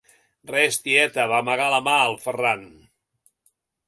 Res, tieta –va amagar la mà el Ferran.